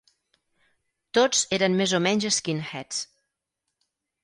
Tots eren més o menys skinheads.